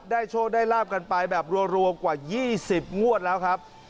โชคได้ลาบกันไปแบบรวมกว่า๒๐งวดแล้วครับ